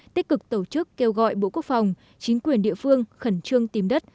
tích cực tổ chức kêu gọi bộ quốc phòng chính quyền địa phương khẩn trương tìm đất